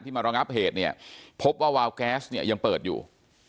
มารองับเหตุเนี่ยพบว่าวาวแก๊สเนี่ยยังเปิดอยู่